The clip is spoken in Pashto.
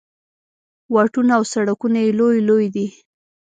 واټونه او سړکونه یې لوی لوی دي.